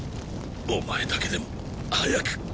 お前だけでも早く。